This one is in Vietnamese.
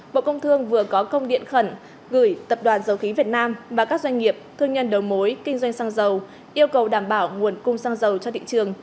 bộ công thương vừa có công điện khẩn gửi tập đoàn dầu khí việt nam và các doanh nghiệp thương nhân đầu mối kinh doanh xăng dầu yêu cầu đảm bảo nguồn cung xăng dầu cho thị trường